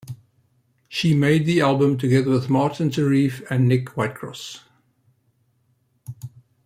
She made the album together with Martin Terefe and Nick Whitecross.